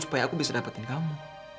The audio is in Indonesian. supaya aku bisa dapetin kamu